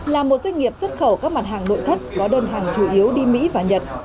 là một doanh nghiệp xuất khẩu các mặt hàng nội thất có đơn hàng chủ yếu đi mỹ và nhật